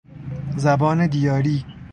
زبان دیاری